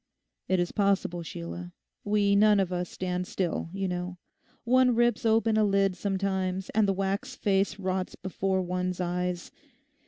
'It is possible, Sheila; we none of us stand still, you know. One rips open a lid sometimes and the wax face rots before one's eyes.